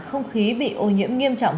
không khí bị ô nhiễm nghiêm trọng